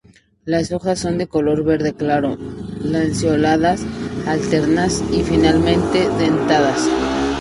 Las hojas son de color verde claro, lanceoladas, alternas y finamente dentadas.